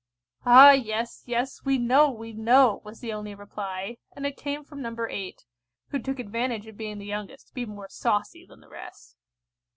"Ah, yes, yes, we know, we know!" was the only reply, and it came from No. 8, who took advantage of being the youngest to be more saucy than the rest.